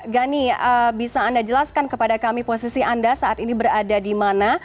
gani bisa anda jelaskan kepada kami posisi anda saat ini berada di mana